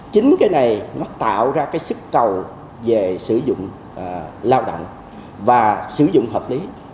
chính cái này nó tạo ra cái sức cầu về sử dụng lao động và sử dụng hợp lý